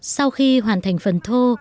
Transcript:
sau khi hoàn thành phần thô